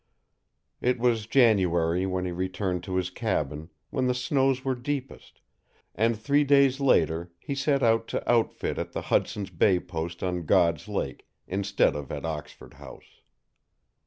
It was January when he returned to his cabin, when the snows were deepest, and three days later he set out to outfit at the Hudson's Bay post on God's Lake instead of at Oxford House.